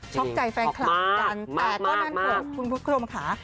ช็อกใจแฟนคลับกันแต่ก็นั่นพวกคุณพุทธคลมค่ะ